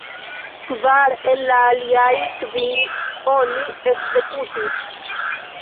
Kvar el la aliaj kvin oni ekzekutis.